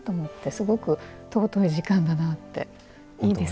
すごく尊い時間だなって。